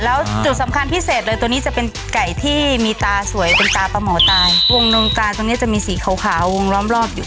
แล้วจุดสำคัญพิเศษเลยตัวนี้จะเป็นไก่ที่มีตาสวยเป็นตาปลาหมอตายวงนมตาตรงเนี้ยจะมีสีขาวขาววงล้อมรอบอยู่